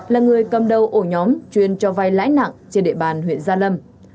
là người cầm đầu ổ nhóm chuyên cho vai lãi nặng trên địa bàn huyện gia lâm